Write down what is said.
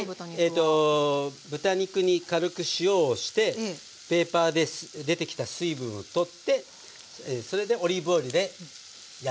はい豚肉に軽く塩をしてペーパーで出てきた水分を取ってそれでオリーブオイルで焼いております。